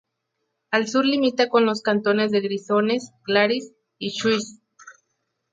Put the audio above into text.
Al sur limita con los cantones de Grisones, Glaris y Schwyz.